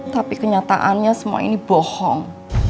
tapi kenyataannya semua ini bohong